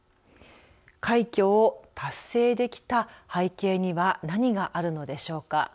快挙を達成できた背景には何があるのでしょうか。